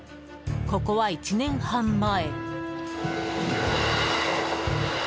ここは１年半前。